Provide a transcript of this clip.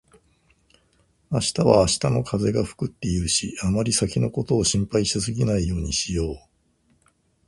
「明日は明日の風が吹く」って言うし、あまり先のことを心配しすぎないようにしよう。